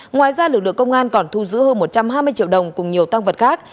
ngoài ra lực lượng công an còn thu giữ hơn một trăm hai mươi triệu đồng cùng nhiều tăng vật khác